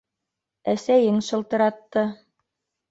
-Әсәйең шылтыратты.